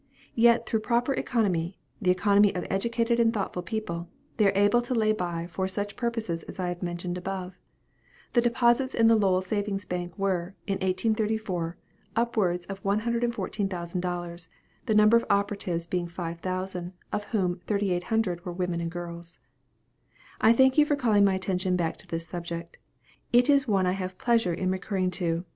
Yet through proper economy, the economy of educated and thoughtful people, they are able to lay by for such purposes as I have mentioned above. The deposits in the Lowell Savings' Bank were, in 1834, upwards of 114,000 dollars, the number of operatives being 5000, of whom 3800 were women and girls. I thank you for calling my attention back to this subject. It is one I have pleasure in recurring to.